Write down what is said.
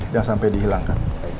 jangan sampai dihilangkan